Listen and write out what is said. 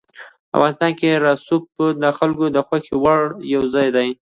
افغانستان کې رسوب د خلکو د خوښې وړ یو ځای دی.